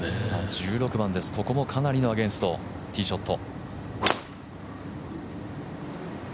１６番です、ここもかなりのアゲンスト、ティーショット。